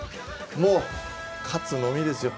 もう勝つのみですよ。